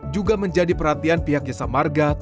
juga menjadi perhatian pihaknya samarga